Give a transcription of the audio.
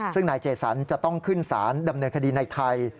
ซึ่งนายเจสันจะต้องขึ้นสารดำเนินคดีในไทย